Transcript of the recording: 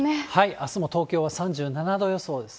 あすも東京は３７度予想です。